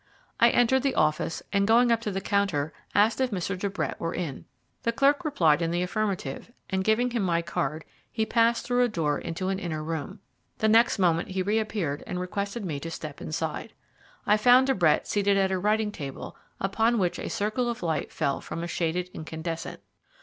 I entered the office, and going up to the counter asked if Mr. De Brett were in. The clerk replied in the affirmative, and giving him my card he passed through a door into an inner room. The next moment he reappeared and requested me to step inside: I found De Brett seated at a writing table, upon which a circle of light fell from a shaded incandescent.